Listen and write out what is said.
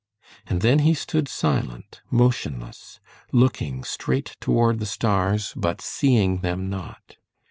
And then he stood silent, motionless, looking straight toward the stars, but seeing them not.